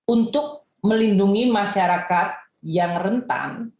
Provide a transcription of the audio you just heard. untuk melindungi masyarakat yang rentan